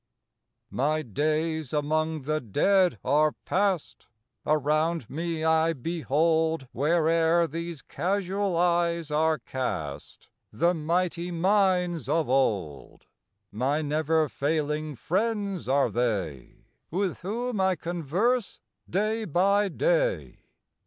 My days among the Dead are past; Around me I behold, Where'er these casual eyes are cast, The mighty minds of old: My never failing friends are they, With whom I converse day by day.